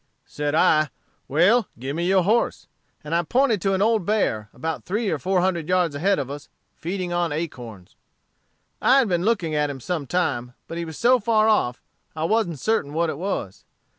"Said I, 'Well, give me your horse,' and I pointed to an old bear, about three or four hundred yards ahead of us, feeding on acorns. "I had been looking at him some time, but he was so far off; I wasn't certain what it was.